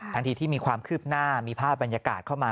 ทันทีที่มีความคืบหน้ามีภาพบรรยากาศเข้ามา